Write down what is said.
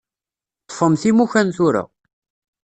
Ṭṭfemt imukan tura.